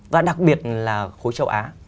và đặc biệt là khối châu á